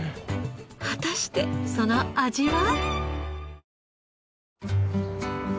果たしてその味は？